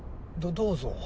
どどうぞ。